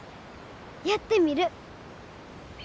やってみる。